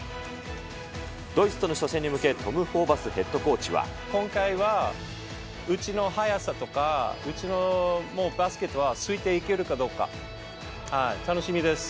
ドイツとの初戦に向け、今回はうちの速さとか、うちのもうバスケットはついていけるかどうか、楽しみです。